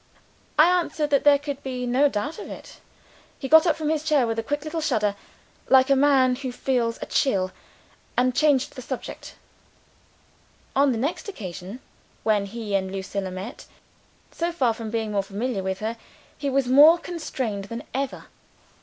I answered that there could be no doubt of it. He got up from his chair, with a quick little shudder, like a man who feels a chill and changed the subject. On the next occasion when he and Lucilla met so far from being more familiar with her, he was more constrained than ever.